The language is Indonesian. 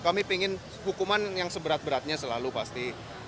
kami ingin hukuman yang seberat beratnya selalu pasti